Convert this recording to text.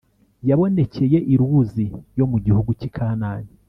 yabonekeye i Luzi yo mu gihugu cy i Kanani